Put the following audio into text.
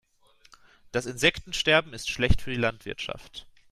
Das Insektensterben ist schlecht für die Landwirtschaft.